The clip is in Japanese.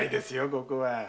ここは。